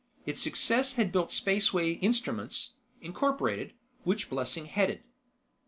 Its success had built Spaceway Instruments, Incorporated, which Blessing headed.